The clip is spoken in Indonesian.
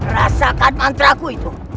rasakan mantraku itu